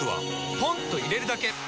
ポンと入れるだけ！